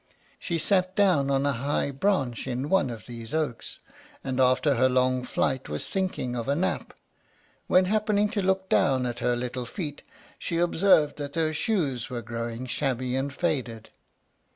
She sat down on a high branch in one of these oaks, and, after her long flight, was thinking of a nap, when, happening to look down at her little feet, she observed that her shoes were growing shabby and faded.